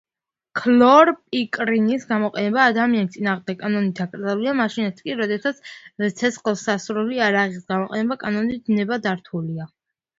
ქლორპიკრინის გამოყენება ადამიანის წინააღმდეგ კანონით აკრძალულია მაშინაც კი, როდესაც ცეცხლსასროლი იარაღის გამოყენება კანონით ნებადართულია.